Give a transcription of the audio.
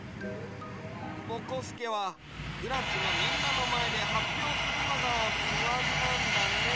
ぼこすけはクラスのみんなのまえではっぴょうするのがふあんなんだね。